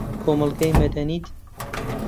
کۆمەڵگەی مەدەنیت